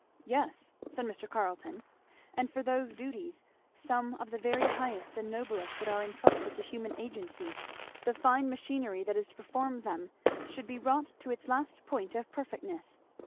"Yes!" said Mr. Carleton, "and for those duties, some of the very highest and noblest that are entrusted to human agency, the fine machinery that is to perform them should be wrought to its last point of perfectness.